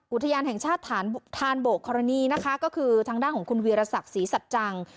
อุทยานแห่งชาติฐานโบกครณีนะคะก็คือทางด้านของคุณวีรศักดิ์ศรีสัจจัง